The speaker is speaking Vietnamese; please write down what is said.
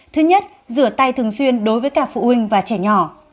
thứ nhất rửa tay thường xuyên đối với cả phụ huynh và trẻ nhỏ